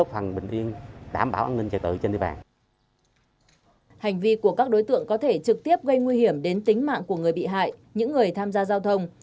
hành vi của các đối tượng có thể trực tiếp gây nguy hiểm đến tính mạng của người bị hại những người tham gia giao thông